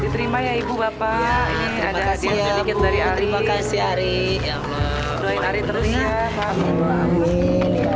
terima ya ibu bapak terima kasih terima kasih ari terus ya pak